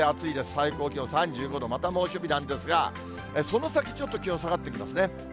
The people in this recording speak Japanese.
最高気温３５度、また猛暑日なんですが、その先、ちょっと気温下がってきますね。